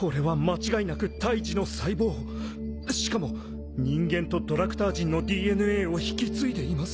靴人間とドラクター人のＤＮＡを引き継いでいます。